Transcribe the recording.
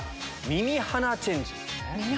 耳鼻チェンジ？